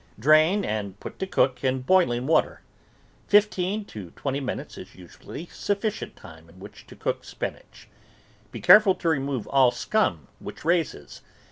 Drain and put to cook in boiling water. Fifteen to twenty minutes is usu THE VEGETABLE GARDEN ally sufficient time in which to cook spinach. Be careful to remove all scum which raises.